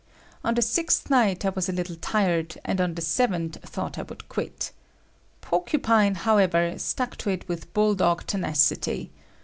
On the sixth night I was a little tired, and on the seventh thought I would quit. Porcupine, however, stuck to it with bull dog tenacity.